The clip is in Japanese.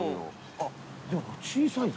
あっでも小さいぞ。